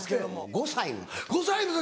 ５歳の時。